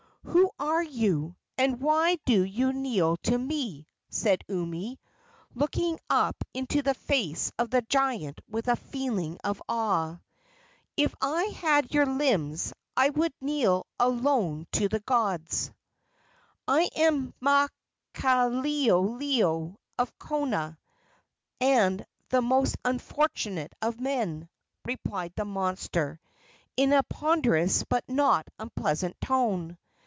"Who are you, and why do you kneel to me?" said Umi, looking up into the face of the giant with a feeling of awe. "If I had your limbs I would kneel alone to the gods." "I am Maukaleoleo, of Kona, and the most unfortunate of men," replied the monster in a ponderous but not unpleasant tone.